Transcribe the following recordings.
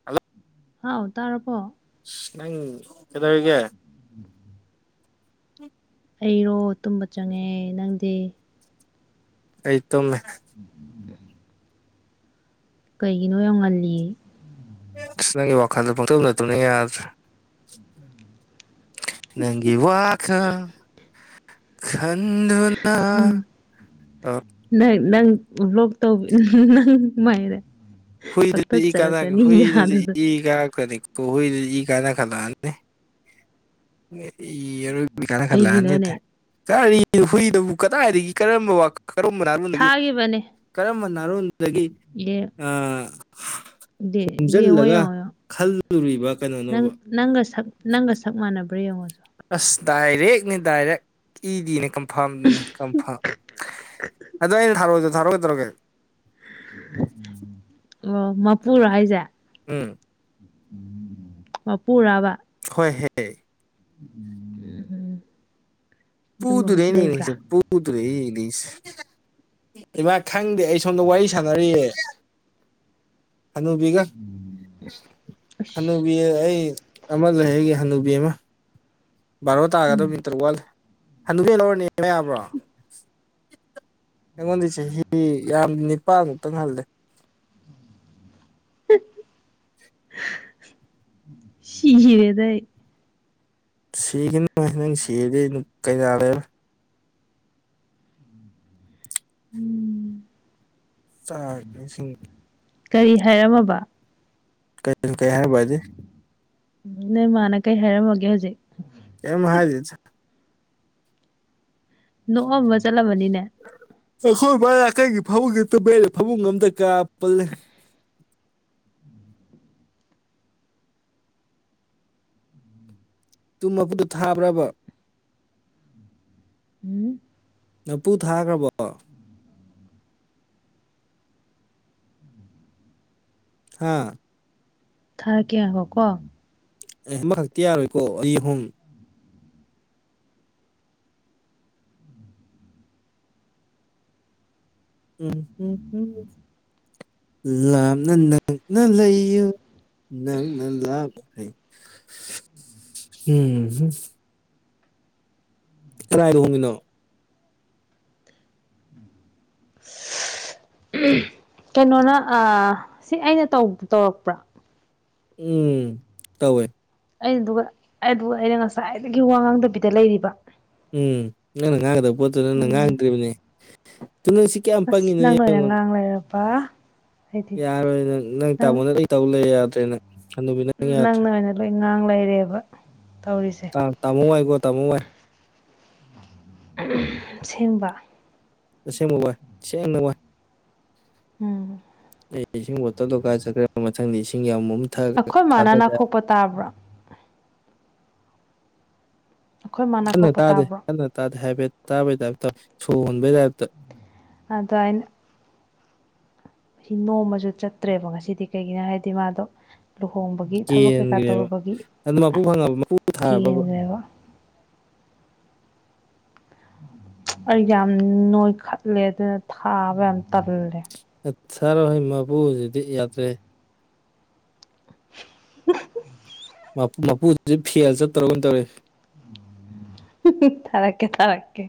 hello ꯍꯥꯎ ꯇꯥꯔꯕꯣ ꯅꯪ ꯀꯗꯒ ꯎꯝ ꯑꯩꯔꯣ ꯇꯨꯝꯕ ꯆꯪꯉꯦ ꯅꯪꯗꯤ ꯑꯩꯇꯣꯃꯦ ꯎꯝ ꯌꯥ ꯀꯩꯒꯤꯅꯣ ꯌꯥꯝꯧ ꯉꯜꯂꯤ ꯑꯁ ꯅꯪꯒꯤ ꯋꯥꯈꯜꯗ ꯄꯥꯡꯊꯣꯛꯅꯗꯨꯅ ꯌꯥꯗ꯭ꯔꯦ ꯅꯪꯒꯤ ꯋꯥꯈ ꯈꯟꯗꯨꯅ ꯎꯝ ꯑ ꯅꯪ ꯅꯪ ꯕ꯭ꯂꯣꯛ ꯇꯧꯕ ꯅꯪ ꯃꯥꯏꯔꯦ ꯍꯨꯏꯗꯗꯤ ꯏ ꯀꯥꯟꯅ ꯍꯨꯏꯗꯗꯤ ꯌꯥꯗꯨꯗ ꯏ ꯀꯥꯔꯛꯛꯇ꯭ꯔꯅꯤꯀꯣ ꯍꯨꯏꯗꯗꯤ ꯏ ꯀꯥꯏꯅ ꯈꯜꯂꯛꯑꯅꯤ ꯑꯔꯣꯏꯕꯅꯤ ꯀꯥꯟꯅ ꯀꯩꯒꯤꯅꯣꯅꯦ ꯈꯜꯂꯛꯑꯅꯤꯠꯇ ꯀꯔꯤ ꯍꯨꯏꯗꯕꯨ ꯀꯗꯥꯏꯗꯒꯤ ꯀꯔꯝꯕ ꯀꯔꯝꯕ ꯅꯍꯥꯔꯣꯟꯗꯒꯤ ꯊꯥꯈꯤꯕꯅꯦ ꯀꯔꯝꯕ ꯅꯍꯥꯔꯣꯟꯗꯒꯤ ꯌꯦ ꯑ ꯗꯦ ꯌꯦꯡꯉꯣ ꯌꯦꯡꯉꯣ ꯈꯣꯝꯖꯤꯜꯂꯒ ꯌꯦꯡꯉꯣ ꯈꯜꯂꯨꯔꯤꯕ ꯅꯪ ꯀꯩꯅꯣꯅꯣꯕ ꯅꯪꯒ ꯁꯛ ꯅꯪꯒ ꯁꯛ ꯃꯥꯟꯅꯕ꯭ꯔꯥ ꯌꯦꯡꯉꯣ ꯑꯁ ꯗꯥꯏꯔꯦꯛꯅꯤ ꯗꯥꯏꯔꯦꯛ ꯏꯗꯤꯅꯦ ꯀꯟꯐꯥꯝꯅꯤ ꯀꯟꯐꯥꯝ ꯑꯗꯨꯣꯩꯅ ꯊꯔꯗ ꯊꯔꯛꯒꯗꯧꯔꯒꯦ ꯑꯣ ꯃꯄꯨꯔ ꯍꯥꯏꯁꯦ ꯎꯝ ꯃ ꯄꯨꯔꯥꯕ ꯁ ꯍꯦꯛ ꯎꯝ ꯄ ꯑꯗꯨꯝꯕ ꯑꯃꯁꯨ ꯂꯩꯕ꯭ꯔꯥ ꯄꯨꯗꯨꯗꯅꯤꯡꯁꯦ ꯄ ꯎꯗ꯭ꯔꯦ ꯏꯗꯤꯁ ꯏꯃꯥ ꯈꯪꯗꯦ ꯑꯩ ꯁꯣꯝꯗ ꯋꯥꯔꯤ ꯁꯥꯟꯅꯔꯤꯌꯦꯦ ꯍꯅꯨꯕꯤꯒ ꯍꯅ ꯑꯁ ꯕꯤ ꯑꯩ ꯑꯃ ꯂꯩꯑꯒꯦ ꯍꯅꯨꯕꯤ ꯑꯃ ꯕꯥꯔꯣ ꯇꯥꯒ ꯑꯗꯨ ꯎꯝ ꯃꯤ ꯇꯔꯨꯛ ꯋꯥꯜꯂꯦ ꯍꯟꯗꯛ ꯍꯦꯜ ꯂꯧꯔꯅꯦ ꯌꯥꯕ꯭ꯔꯣ ꯑꯩꯉꯣꯟꯗꯤ ꯆꯍꯤ ꯌꯥꯝ ꯅꯤꯄꯥꯟꯃꯨꯛꯇꯪ ꯍꯜꯂꯦ ꯁꯤꯒꯔꯦꯗ ꯁꯤꯈꯤꯅ ꯅꯪ ꯁꯤꯔꯗꯤ ꯀꯩꯌꯥ ꯂꯩꯔ ꯎꯝ ꯆꯥꯁꯤꯡ ꯀꯔꯤ ꯍꯥꯏꯔꯝꯃꯕ ꯀꯩ ꯀꯩ ꯍꯥꯏꯔꯕꯗꯤꯦ ꯅ ꯃꯥꯅ ꯀꯩ ꯍꯥꯏꯦꯔꯝ ꯑꯣꯏꯒꯦ ꯍꯧꯖꯤꯦ ꯑꯦꯦꯝ ꯍꯥꯏꯗꯤꯦ ꯅꯣꯡ ꯃꯁꯂ ꯃꯅꯤ ꯑꯩꯈꯣꯏ ꯕꯔꯥ ꯀꯩꯒꯤ ꯐꯕꯨꯡꯒꯤꯦꯛꯇꯕꯔꯦ ꯐꯕꯨꯡ ꯑꯝꯇ ꯀꯌꯥ ꯄꯜꯂꯦ ꯇꯨꯝ ꯃꯄꯨꯗꯨ ꯊꯥꯕ꯭ꯔꯕ ꯎꯝ ꯅꯄꯨ ꯊꯥꯈ꯭ꯔꯕꯣ ꯍꯥꯥ ꯊꯥꯔꯛꯀꯦ ꯉꯥꯏꯈꫭ ꯀꯣ ꯑꯦ ꯑꯃꯈꯛꯇꯤ ꯌꯥꯔꯣꯏꯀꯣ ꯑꯅꯤ ꯑꯍꯣꯝ ꯎꯝꯝꯝ ꯂꯥꯞꯅ ꯅꯪꯅ ꯂꯩꯌꯨ ꯅꯛꯅ ꯂꯞꯅ ꯂꯥꯛꯑꯝ [unintelligible] ꯀꯔꯥꯏꯗ ꯍꯣꯡꯉꯤꯅꯣ [unintelligible] ꯀꯩꯅꯣ ꯑꯥ ꯁꯤ ꯑꯩꯅ ꯇꯧꯔꯛꯄ꯭ꯔꯥ ꯎꯝ ꯇꯧꯋꯦ ꯑꯩꯅꯗꯨ ꯑꯩ ꯑꯩꯅ ꯉꯁꯥꯏꯗꯒꯤ ꯋꯥ ꯉꯥꯡꯗꯕꯤꯗ ꯂꯩꯔꯤꯕ ꯎꯝ ꯅꯪꯅ ꯉꯥꯡꯒꯗꯕ ꯄꯣꯠꯇꯨ ꯅꯪꯅ ꯎꯝ ꯉꯥꯡꯗ꯭ꯔꯤꯕꯅꯤ ꯅꯪ [unintelligible] ꯑꯁ ꯅꯪꯅ ꯑꫭꯏꯅ ꯌꯦꯡꯉꯣ ꯉꯥꯡ ꯂꯩꯔꯕ ꯍꯥꯏꯗꯤ ꯌꯥꯔꯣꯏ ꯅꯪ ꯅꯪ ꯇꯥꯃꯣꯅ ꯂꫭꯏ ꯇꯧ ꯂꯩꯔ‌ꯦ ꯌꯥꯗ꯭ꯔꯦ ꯅꯪ ꯍꯅꯨꯕꯤ ꯅꯪ ꯌꯥꯗ꯭ꯔꯦ ꯅꯪꯅ ꯑꯣꯏꯅ ꯂꯣꯏ ꯉꯥꯡ ꯂꯩꯔꯦꯕ ꯇꯧꯔꯤꯁꯦ ꯑ ꯇꯥꯃꯣ ꯋꯥꯏꯀꯣ ꯇꯥꯃꫭ ꯋꯥꯏ ꯑꯁꯦꯡꯕ ꯑꯁꯦꯡꯕ ꯋꯥꯏ ꯁ‌ꯦꯡꯅ ꯋꯥꯏ ꯎꯝ ꯏꯁꯤꯡ ꯕꯣꯇꯜꯗꫭ ꯀꯥꯏ ꯆꯠꯈ꯭ꯔꯦ ꯃꯊꯪꯗ ꯏꯁꯤꯡ ꯌꯥꯎꯝꯑꯃ ꯑꯩꯈꯣꯏ ꯃꯥꯅ ꯅꯥꯊꯣꯛꯄ ꯇꯥꯕ꯭ꯔꫭ ꯑꯩꯈꯣꯏ ꯃꯥ ꯀꯟꯅ ꯅꯥꯀꯣꯛꯄ ꯇꯥꯗꯦ ꯇꯥꯕ꯭ꯔꯣ ꯀꯟꯅ ꯇꯥꯗꯦ ꯍꯥꯏꯐꯦꯠ ꯇꯥꯕꯩ ꯇꯥꯏꯞꯇ ꯁꯣꯟ ꯍꯣꯟꯕꯩ ꯇꯥꯏꯞꯇ ꯑꯗ [unintelligible] ꯑꯩꯅ ꯁꯤ ꯅꯣꯡꯝꯃꯁꯨ ꯆꯠꯇ꯭ꯔꯦꯕ ꯉꯁꯤꯗꯤ ꯀꯩꯒꯤꯅꯣ ꯍꯥꯏꯗꯤ ꯃꯥꯗꯣ ꯂꯨꯍꯣꯡꯕꯒꯤ ꯒꯤ ꯊꯕꯛ ꯀꯩꯀꯥ ꯀꯦꯟꯈ꯭ꯔꯦꯕ ꯇꯧꯔꯨꯕꯒꯤ ꯑꯗꯨ ꯃꯄꯨ ꯐꯪꯉꯕ ꯃꯄꯨ ꯊꯥꯔꯕꯕ ꯀ‌ꯦꯟꯒꯔ‌ꯦꯕ ꯑꯩ ꯌꯥꯝ ꯅꯣꯏꯈꯠꯂꯦ ꯑꯗꯨꯅ ꯊꯥꯕ ꯌꯥꯝ ꯇꯜꯂꯦ ꯑꯠ ꯊꯔꯛꯑꫭꯍ‌ꯦ ꯃꯥꯕꯨ ꯍꯧꯖꯤꯗꯤ [unintelligible] ꯌꯥꯗ꯭ꯔꯦ [unintelligible] ꯃꯄꯨꯁ ꯐꯦꯜ ꯆꯠꯇꫭꯔꯕ ꯀꯩꯅꫭꯝ ꯇꯧꯔꯦ ꯊꯔꯛꯀꯦ ꯊꯔꯛꯀꯦ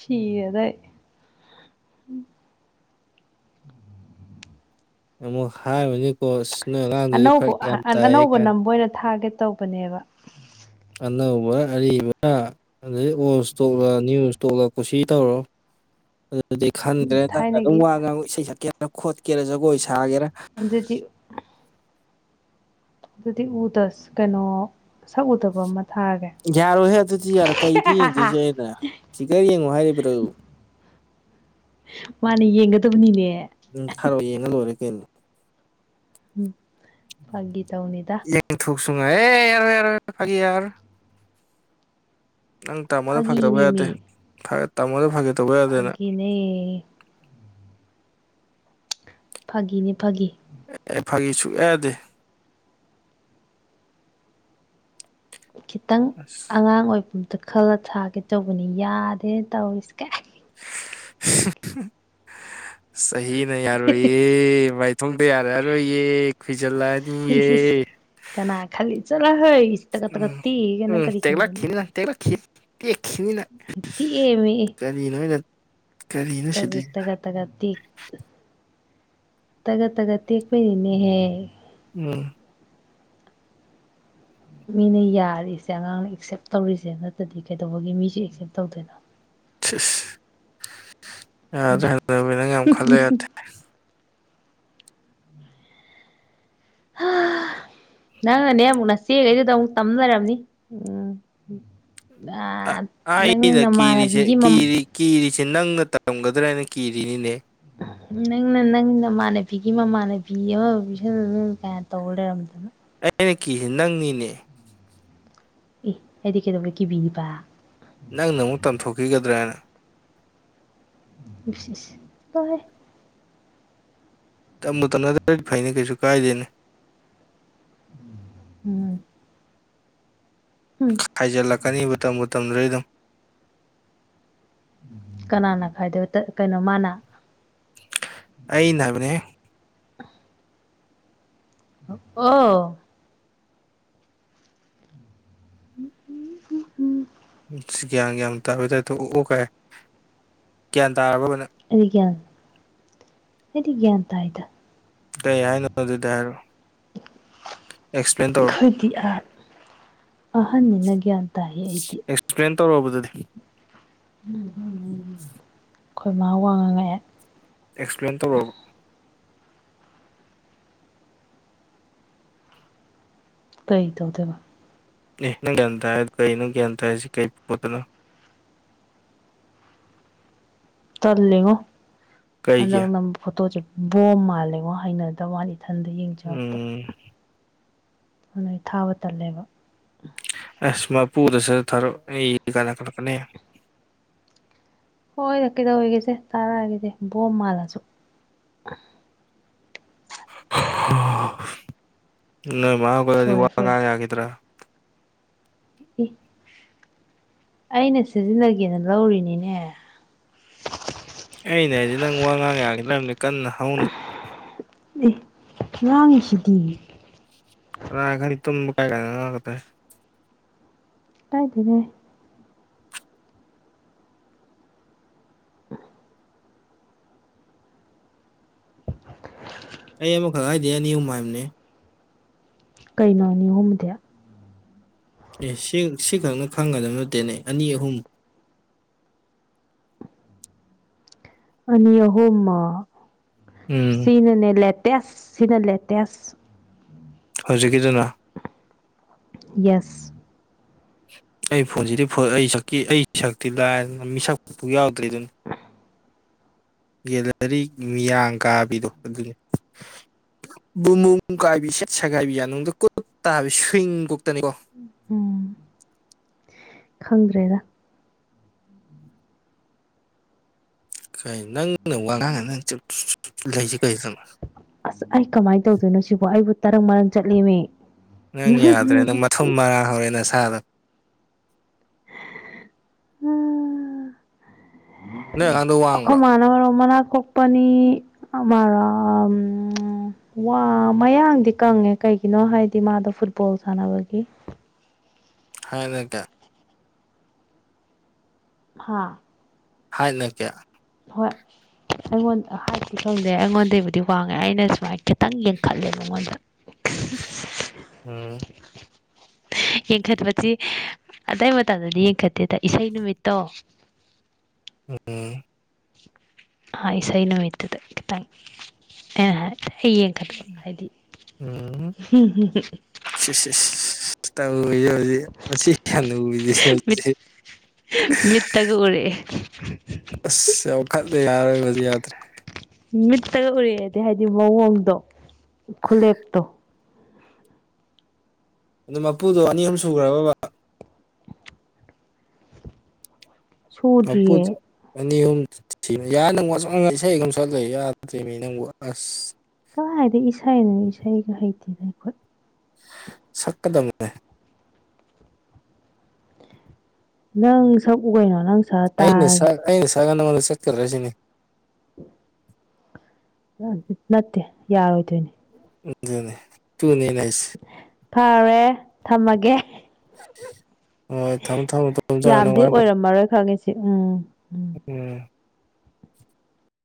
ꯁꯤꯔ‌ꯦꯗ ꯑꯩ ꯃꯛ ꯍꯥꯏ ꯍꯧ [unintelligible] ꯄꯣꯁ ꯅꫭꯏ ꯑꯉꯥꯡ ꯑꯅꯧꯕ ꯑꯅꯧꯕ ꯅꯝꯕ ꯑꯣꯏꯅ ꯊꯥꯒꯦ ꯇꯧꯕꯅꯦꯕ ꯑꯅꯧꯕ ꯑꯔꯤꯕ ꯑꯗꯩ ꯑꯣꯜ ꯏꯁꯇꯣꯛꯂ ꯅꯤꯌꯨ ꯏꯁꯇꯣꯛꯂ ꯀꯨꯁꯤ ꯇꯧꯔꯣ [inaudible] ꯑꯗꯨꯗꯤ ꯈꯪꯗ꯭ꯔꯦ ꯅꯪꯅ ꯑꯗꯨꯝ ꯊꯥꯏꯅꯒꯤ ꯋꯥ ꯉꯥꯡ ꯏꯁꯩ ꯁꯛꯀꯦꯅ ꯈꯣꯠꯀꯦꯔꯥ ꯖꯒꯣꯏ ꯁꯥꯒꯦꯔꯥ ꯑꯗꯨꯗꯤ ꯑꯗꯨꯗꯤ ꯎꯗ ꯀꯩꯅꯣ ꯁꯛꯎꯗꯕ ꯑꯃ ꯊꯥꯔꯒꯦ ꯌꯥꯔꯣꯏꯍꯦ ꯑꯗꯨꯗꯤ ꯌꯥꯔꯣꯏ ꯀꯩꯗ ꯌꯦꯡꯗꯣꯏꯁꯦ ꯑꯩꯅ ꯐꯤꯒꯔ ꯌꯦꯡꯉꯣ ꯍꯥꯏꯔꯤꯕ꯭ꯔꯣ ꯃꯥꯅꯦ ꯌꯦꯡꯒꯗꯕꯅꯤꯅꯦ ꯎꯝ ꯊꯥꯔꯛꯑꫭ ꯌꯦꯡꯉ ꯂꯣꯏꯔꯦ ꯀꯩꯅꯣ ꯎꯝ ꯐꯥꯒꯤ ꯒꯤ ꯇꯧꯅꯤꯗ ꯍꯦꯡ ꯊꯨꯣꯛ ꯁꯨꯡꯉꯥꯏ ꯑꯦ ꯌꯥꯔꯣꯏ ꯌꯥꯔꯣꯏ ꯌꯥꯔꫭꯏ ꯐꯒꯤ ꯌꯔꯔꫭꯏ ꯅꯪ ꯇꯥꯃꯣꯗ ꯐꯒꯤ ꯇꯧꯕ ꯐꯥꯒꯤꯅꯦ ꯌꯥꯗꯦ ꯃꯤ ꯇꯥꯃꯣꯗ ꯐꯒꯦ ꯇꯧꯕ ꯌꯥꯗꯦ ꯅꯪ ꯑ [unintelligible] ꯐꯥꯒꯤꯅꯦ ꯐꯥꯒꯤ ꯑꯦ ꯐꯥꯒꯤ ꯁꯨꯛꯌꯥ ꯌꯗ‌ꯦ ꯈꯤꯇꯪ ꯑꯁ ꯑꯉꯥꯡ ꯑꯣꯏꯕꯤ ꯑꯝꯇ ꯈꯜꯂ ꯊꯥꯒꯦ ꯇꯧꯕꯅꯤ ꯌꯥꯗꯦ ꯇꯧꯔꯤꯁ ꯀꯥꯏ ꯆꯍꯤ ꯅ ꯌꯥꯔꯣꯌ‌ꯦ ꯃꯥꯏ ꯊꯣꯡꯗ ꯌꯥꯔꯛꯑꯔꯣꯏꯌꯦ ꯈꯨꯏꯖꯤꯜꯂꯛꯑꯅꯤꯌ‌ꯦ ꯏꯁ ꯀꯅꯥ ꯈꯜꯂꯤ ꯆꯠꯂꯍ‌ꯦ ꯇꯒꯠ ꯇꯒꯠ ꯎꯝ ꯇ‌ꯦꯛꯏ ꯅꯪ ꯎꯝ ꯀꯔꯤ ꯈꯪꯗꯅ ꯇꯦꯛꯂꯛꯈꯤꯅꯤ ꯅꯪ ꯇꯦꯛꯂꯛꯈꯤ ꯇꯦꯛꯈꯤꯅꯤꯅ ꯇꯦꯛꯑꯦꯃꯤ ꯀꯔꯤ ꯅꯣꯏꯅ ꯇ ꯇꯒ ꯇ ꯇ ꯇꯒ ꯇꯒ ꯇ ꯄꯅꯤ ꯍꯦ ꯎꯝ ꯃꯤꯅ ꯌꯥꯔꯤꯁꯦ ꯑꯉꯥꯡꯅ ꯑꯦꯛꯁꯦꯞ ꯇꯧꯔꯤꯁꯦ ꯅꯠꯇꯗꯤ ꯀꯩꯗꯧꯕꯒꯤ ꯃꯤꯁꯦ ꯑꯦꯛꯁꯦꯞ ꯇꯧꯗꯣꯏꯅꯣ ꯁ ꯌꯥꯗ꯭ꯔꯦ ꯍꯗꯕꯤ ꯅꯪ ꯌꯥꯝ ꯈꯜꯂꯦ ꯌꯥꯗꯦ ꯅꯪꯅꯅꯦ ꯑꯃꯨꯛ ꯅꯆꯦꯈꯩꯗꯨꯗ ꯑꯃꯨꯛ ꯇꯝ ꯂꯩꯔꯔꯕꯅꯤ ꯎꯝ ꯅꯪ ꯑꯩꯅ ꯀꯤꯔꯤꯁꯦ ꯅꯃꯥꯟꯅꯕꯤꯒꯤ ꯃ ꯀꯤꯔꯤ ꯀꯤꯔꯤꯁꯦ ꯅꯪꯅ ꯇꯝꯒꯗ꯭ꯔꯥꯅ ꯀꯤꯔꯤꯅꯤꯅꯦ ꯎ ꯅꯪꯅ ꯅꯪ ꯅꯃꯥꯟꯅꯕꯤꯒꯤ ꯃꯃꯥꯟꯅꯕꯤ ꯑꯃ ꯄꯁꯨ ꯀꯌꯥ ꯇꯧ ꯂꯩꯔꯝꯗꯅꯣ ꯑꯩꯅ ꯀꯤꯤꯁꯦ ꯅꯪꯅꯤꯅꯦ ꯑꯦ ꯑꯩꯗꯤ ꯀꯩꯗꯧꯕꯦ ꯀꯤꯕꯤꯅꯤꯕ ꯅꯪꯅ ꯑꯃꯨꯛ ꯇꯝꯊꯣꯛꯈꯤꯒꯗ꯭ꯔꯥ ꯍꯥꯏꯅ ꯇꯦ ꯇꯞꯃꯨ ꯇꯞꯅꯗ꯭ꯔꯗꯤ ꯐꯩꯅꯤ ꯀꯩꯁꯨ ꯀꯥꯏꯗꯦꯅꯦ ꯎꯝ ꯎꯝ ꯍꯥꯏꯖꯤꯜꯂꯛꯀꯅꯤ ꯃꯇꯝ ꯃꯇꯝꯗꯨꯗꯩ ꯑꯗꯨꯝ ꯀꯅꯥꯅ ꯈꯥꯏꯗꯦ ꯇꯠ ꯀꯩꯅꯣ ꯃꯥꯅ ꯑꯩꯅ ꯍꯥꯏꯕꯅꯦ ꯑꯣ [unintelligible] ꯏꯁ ꯒ꯭ꯌꯥꯟ ꯒ꯭ꯌꯥꯟ ꯇꯥꯕꯩ ꯇꯥꯢꯄꯇ ꯑꯣꯛ ꯑꯣ ꯀꯥꯏ ꯒ꯭ꯌꯥꯟ ꯇꯥꯔꯕꯕ ꯅꯪ ꯑꯩꯗꯤ ꯒꯌꯥꯟ ꯑꯩꯗꯤ ꯒꯌꯥꯟ ꯇꯥꯏꯗ ꯀꯩ ꯍꯥꯏꯅꯅꯣ ꯑꯗꯨꯗꯤ ꯍꯥꯏꯔꯛꯣ ꯑꯦꯛꯁꯄ꯭ꯂꯦꯟ ꯇꯧꯔꯣ ꯏꯗꯤ ꯑ ꯑꯍꯟ ꯅꯅꯒ ꯑꯇꯥꯌꯦ ꯏꯗꯤ ꯑꯦꯛꯁꯄ꯭ꯂꯦꯟ ꯇꯧꯔꯛꯕꯗꯨꯗꯤ ꯑꯩꯈꯣꯏꯃ ꯋꯥꯉꯥꯡꯉꯥꯏ ꯑꯦꯛꯁꯄ꯭ꯂꯦꯟ ꯇꯧꯔꯔꯕꯕ ꯀꯩ ꯇꯧꯗꯕ ꯪ ꯭ꯌꯥꯟꯇ ꯍꯥꯏ ꯀꯩꯅꯪ ꯭ꯌꯥꯟꯇ ꯍꯥꯏꯁꯤ ꯀꯩ ꯄꯣꯠꯇꯅꯣ ꯇ ꯂꯩꯉꯣ ꯀꯩꯒꯤ ꯍꯗꯒ ꯅꯝ ꯐꯇꯣ ꯆ ꯕꯣꯝ ꯃꯥꯜꯂꯦꯉꯣ ꯍꯩꯅꯗꯕꯅꯤ ꯏꯊꯟꯗ ꯌꯦꯡꯖꯕꯗ ꯎꯝ ꯑꯗꯨꯅꯩ ꯊꯥꯕ ꯇꯜꯂꯦꯕ ꯑꯁ ꯃꯄꯨꯗꯁꯨ ꯊꯔꯛ ꯀꯥꯏꯅ ꯈꯠꯂꯛꯀꯅꯤ ꯍꯣꯏꯗ ꯀꯩꯗꯧꯋꯦꯒꯦꯁꯦ ꯊꯥꯔꯛꯑꯒꯦꯁꯦ ꯕꯣꯝ ꯃꯥꯜꯂꯁꯨ ꯅꯣꯢ ꯃꯥ ꯄꯥꯢꯔꯗꯤ ꯐꯨꯔꯦ ꯋꯥ ꯐꯨꯔꯦ ꯉꯥꯡ ꯌꯥꯒꯤꯗ꯭ꯔꯦ ꯏ ꯑꯩꯅ ꯁꯤꯖꯤꯟꯅꯒꯦꯅ ꯂꯧꯔꯤꯅꯤꯅꯦ ꯑꯩꯅ ꯍꯥꯏꯗꯤ ꯅꯪ ꯋꯥ ꯉꯥꯡ ꯌꯥꯒꯦ ꯅꯪ ꯀꯟꯅ ꯍꯧꯅ ꯑꯦ ꯉꯥꯡꯢꯁꯤꯗꯤ ꯀꯅꯥ ꯈꯪꯅꯤ ꯇꯨꯝ ꯀꯥꯏ ꯀ ꯀꯥꯢꯗꯦꯍꯦ ꯑꯩ ꯑꯃꯈꯛ ꯍꯥꯏꯗꯦ ꯑꯅꯤ ꯑꯍꯨꯝ ꯍꯥꯏꯕꯅꯦ ꯀꯩꯅꯣ ꯅꯤꯍꯣꯝꯗꯤ ꯑꯦ ꯁꯤ ꯁꯤꯈꯛꯅ ꯈꯪꯒꯗꯕ ꯅꯠꯇꯦꯅꯦ ꯑꯅꯤ ꯑꯍꯨꯝ ꯑꯅꯤ ꯑꯍꯨꯝ ꯎꯝ ꯁꯤꯅꯅꯦ ꯂꯦꯇꯦꯁ ꯁꯤꯅ ꯂꯦꯇꯦꯁ ꯍꯧꯖꯤꯛꯀꯤꯗꯨꯅ ꯌꯦꯁ ꯑꯩ ꯐꯣꯟꯁꯤꯗꯤ ꯑꯩ ꯁꯛꯀꯤ ꯑꯩ ꯁꯛꯇꯤ ꯂꯥꯏꯗꯅ ꯃꯤꯁꯛ ꯌꯥꯎꯗ꯭ꯔꯤ ꯗꯨꯅꯤ ꯒꯦꯂꯔꯤ ꯃꯤꯌꯥꯡ ꯀꯥꯕꯤꯗꯣ ꯑꯗꯨꯅꯤ ꯕꯨꯕꯨꯡ ꯀꯥꯏꯕꯤ ꯁꯠ ꯁꯦꯒꯥꯏꯕꯤ ꯌꯥꯅꯨꯡ ꯀꯨꯠ ꯇꯥꯕꯤ ꯁ꯭ꯋꯤꯡ ꯀꯨꯛꯇꯅꯤꯀꯣ ꯎꯝ ꯈꯪꯗ꯭ꯔꯦꯗ ꯀꯩ ꯅꯪꯅ ꯋꯥꯉꯥꯡꯉ ꯅꯪ ꯆꯨ ꯆꯨꯞ ꯂꯩꯁꯦ ꯀꯩꯅꯣ ꯑꯁ ꯑꯩ ꯀꯃꯥꯏꯅ ꯇꯧꯗꯣꯏꯅꯣ ꯁꯤꯕꯨ ꯑꯩꯕꯨ ꯇꯔꯪ ꯃꯔꯪ ꯆꯠꯂꯤꯃꯤ ꯅꯪ ꯌꯥꯗ꯭ꯔꯦ ꯅꯪ ꯃꯊꯨꯝ ꯃꯔꯥꯡ ꯍꯧꯔꯦ ꯅꯁꯥꯗꯣ ꯅꯣꯏ ꯑꯉꯥꯡꯗꯣ [unintelligible] ꯑꯈꯣꯢ ꯋꯥꯡꯕ꯭ꯔꯣ ꯃꯥꯅ ꯃꯔꯣꯟꯃ ꯅꯈꯣꯛꯄꯅꯤ ꯑꯃꯔꯥ ꯋꯥ ꯃꯌꯥꯡꯗꯤ ꯀꯪꯉꯦ ꯀꯩꯒꯤꯅꯣ ꯍꯥꯏꯗꯤ ꯃꯥꯗꯣ ꯐꯨꯠꯕꯣꯜ ꯁꯥꯟꯅꯕꯒꯤ ꯍꯥꯏꯔꯒꯦ ꯍꯥꯥ ꯍꯥꯏꯅ ꯀꯦ ꯍꯣꯏ ꯑꯩꯉꯣꯟꯗ ꯍꯥꯏꯁꯨ ꯈꯪꯗꯦ ꯑꯩꯉꯣꯟꯗꯩꯕꯨꯗꯤ ꯋꯥꯡꯉꯦ ꯑꯩꯅ ꯁꯨꯃꯥꯏꯅ ꯈꯤꯇꯪ ꯌꯦꯡꯈꯠꯂꯦ ꯃꯉꯣꯟꯗ [unintelligible] ꯎꯝ [unintelligible] ꯌꯦꯡꯈꯠꯄꯕꯁꯤ ꯑꯇꯩ ꯃꯇꯝꯗꯗꯤ ꯌꯦꯡꯈꯠꯇꯦꯗ ꯏꯁꯩ ꯅꯨꯃꯤꯠꯇꯣ ꯎꯝꯝ ꯍꯥꯏ ꯏꯁꯩ ꯅꯨꯃꯤꯠꯇꯗ ꯈꯤꯇꯪ ꯑꯦ ꯍꯥꯏ ꯍ ꯌꯦꯡ ꯠꯄ ꯍꯥꯏꯗꯤ ꯁꯤ ꯁꯤ ꯁꯤ ꯇ ꯃꯁꯤ ꯌꯥꯝꯅ ꯎꯔꯤꯁꯦ ꯃꯤꯠ ꯃꯁꯤꯁꯦ ꯃꯤꯠꯇꯒ ꯎꯔꯛꯑꯦ ꯑꯁ ꯋꯥꯈꯠ ꯌꯥꯔꯣꯏꯕꯗꯤ ꯌꯥꯗ꯭ꯔꯦ ꯃꯤꯠꯇꯒ ꯎꯔꯛꯑꯦꯗꯤ ꯍꯥꯏꯗꯤ ꯃꯑꯣꯡꯗꯣ ꯈꯨꯂꯦꯞꯇꯣ ꯑꯗꯣ ꯃꯨꯗꯣ ꯑꯅꯤ ꯑꯍꯨꯝ ꯁꯨꯈ꯭ꯔꯕ ꯕꯥ ꯃꯄꯨꯁꯨ ꯁꯨꯗ꯭ꯔꯤꯌꯦ ꯑꯅꯤ ꯑꯍꯨꯝ ꯊꯤ ꯌꯥ ꯅꯪ ꯋꯥ ꯁꯨꯉꯥꯡ ꯏꯁꯩ ꯁꯨꯝ ꯁꯛ ꯌꯥꯗ꯭ꯔꯦ ꯃꯤ ꯅꯪꯕꯨ ꯑꯁ ꯀꯥꯏꯗꯩ ꯏꯁꯩꯩꯅꯣ ꯏꯁꯩꯒ ꯍꯩꯇꯦꯅꯦ ꯈꯣꯢ ꯁꯛꯀꯗꯝꯅꯦ ꯅꯪ ꯁꯛꯎ ꯀꯩꯅꯣ ꯅꯪ ꯁꯛꯑ ꯑꯩꯅ ꯇꯥꯔꯒꯦ ꯁꯛ ꯑꯩꯅ ꯁꯛꯑꯒ ꯅꯉꯣꯟꯗ ꯆꯠꯀꯗ꯭ꯔ ꯁꯤꯅꯤ ꯅꯠꯇꯦ ꯌꯥꯔꯣꯢꯗꯨꯏꯅꯤ ꯗꯨꯅꯦ ꯗꯨꯅꯦ ꯑꯩꯅ ꯍꯥꯢꯔꯤꯁꯦ ꯐꯔꯦ ꯊꯝꯃꯒꯦ ꯍꯣꯏ ꯊꯝꯃꯣ ꯊꯝꯃꯣ ꯊꯝꯃꯣ ꯅꯪ ꯋꯥꯔꯝꯃꯅꯤ ꯃꯔꯔ ꯈꯥꯡꯒꯦꯁꯤ ꯎꯝꯝ ꯎꯝ